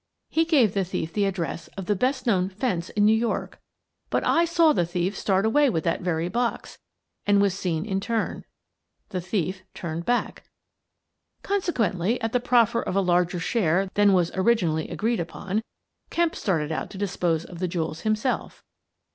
He gave the thief the address of the best known * fence ' in New York, but I saw the thief start away with that very box — and was seen in turn. The thief turned back. Consequently, at the proffer of a larger share than was originally agreed upon, Kemp started out to dispose of the jewels himself.